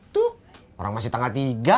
tuh orang masih tanggal tiga